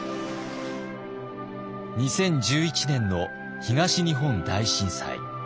２０１１年の東日本大震災。